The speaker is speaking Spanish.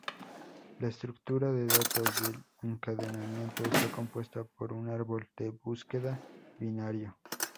La estructura de datos del encadenamiento está compuesta por un árbol de búsqueda binario.